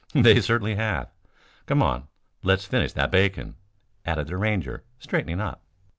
"They certainly have. Come on, let's finish that bacon," added the Ranger straightening up.